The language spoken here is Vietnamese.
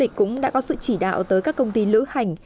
du lịch cũng đã có sự chỉ đạo tới các công ty lữ hành